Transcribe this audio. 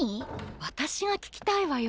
私が聞きたいわよ。